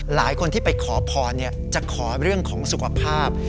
หลายคนที่ไปขอพรจะขอเรื่องของสุขภาพ